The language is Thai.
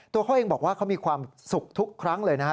ตัวเขาเองบอกว่าเขามีความสุขทุกครั้งเลยนะครับ